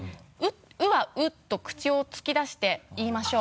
「う」は「う」と口を突き出して言いましょう。